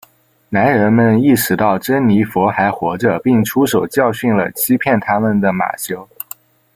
男人们意识到珍妮佛还活着并出手教训了欺骗他们的马修。